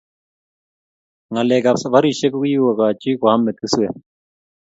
Ngalek ab safarishek kokikokachi koam metiswek .